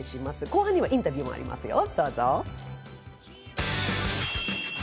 後半にはインタビューもありますよ。